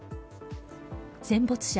戦没者